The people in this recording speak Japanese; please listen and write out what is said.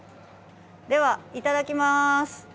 ではいただきます！